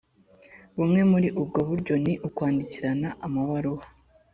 bumwe muri ubwo buryo ni ukwandikirana amabaruwa